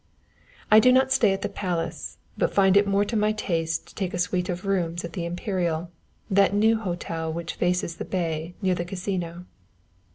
I do not stay at the palace, but find it more to my taste to take a suite of rooms at the Imperial, that new hotel which faces the bay near the Casino.